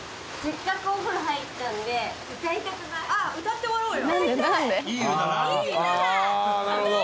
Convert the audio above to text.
歌ってもらおうよ。